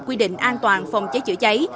quy định an toàn phòng cháy chữa cháy